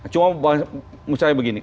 cuma misalnya begini